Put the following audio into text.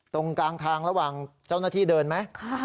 ตรงกลางทางระหว่างเจ้าหน้าที่เดินไหม